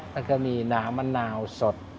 แล้วก็มีน้ำมะนาวสด